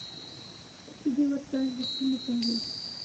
چې دې ته ورته ارزښتونه پالي.